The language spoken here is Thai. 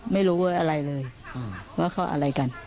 ไม่รู้อะไรเลยว่าเขาอะไรกัน